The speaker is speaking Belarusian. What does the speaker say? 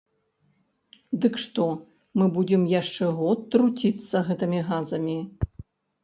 Дык што мы будзем яшчэ год труціцца гэтымі газамі?